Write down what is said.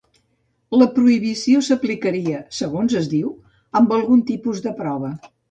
La prohibició s'aplicaria, segons es diu, amb algun tipus de prova.